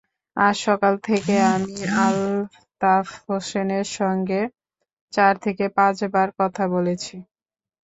আজ সকাল থেকে আমি আলতাফ হোসেনের সঙ্গে চার থেকে পাঁচবার কথা বলেছি।